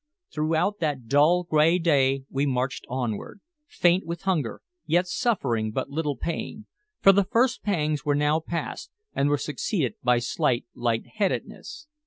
Throughout that dull gray day we marched onward, faint with hunger, yet suffering but little pain, for the first pangs were now past, and were succeeded by slight light headedness.